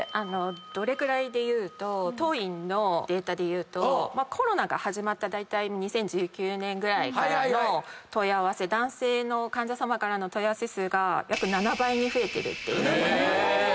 どれぐらいでいうと当院のデータでいうとコロナが始まっただいたい２０１９年ぐらいからの問い合わせ男性の患者さまからの問い合わせ数が。